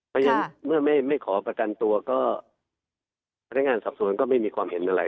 เพราะฉะนั้นเมื่อไม่ขอประกันตัวก็พนักงานสอบสวนก็ไม่มีความเห็นอะไร